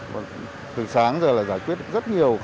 còn từ sáng giờ là giải quyết rất nhiều